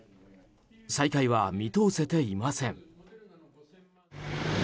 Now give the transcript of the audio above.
再開は見通せていません。